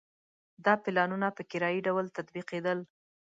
دا پلانونه په کرایي ډول تطبیقېدل.